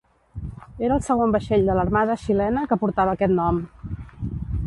Era el segon vaixell de l'armada xilena que portava aquest nom.